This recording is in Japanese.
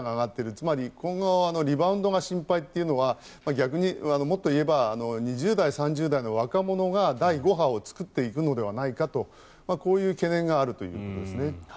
つまり今後リバウンドが心配というのは逆にもっと言えば２０代、３０代の若者が第５波を作っていくのではないかとこういう懸念があるということですね。